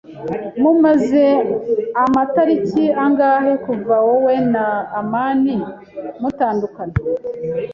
Mumaze amatariki angahe kuva wowe na amani mutandukana?